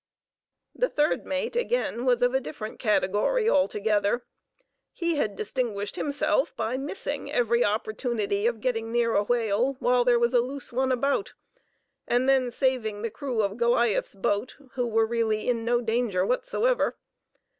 The third mate, again, was of a different category altogether. He had distinguished himself by missing every opportunity of getting near a whale while there was a "loose" one about, and then "saving" the crew of Goliath's boat, who were really in no danger whatever.